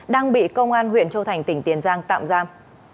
đang bị công an huyện châu thành tỉnh tiền giang tạm giam